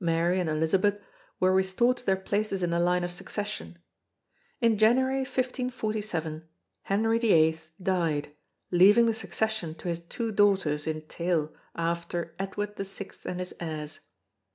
Mary and Elizabeth were restored to their places in the line of succession.... In January 1547 Henry VIII died, leaving the succession to his two daughters in tail after Edward VI and his heirs.